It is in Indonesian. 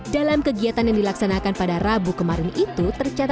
dalam kegiatan yang dilaksanakan pada rabu kemarin itu